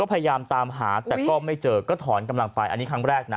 พยายามตามหาแต่ก็ไม่เจอก็ถอนกำลังไปอันนี้ครั้งแรกนะ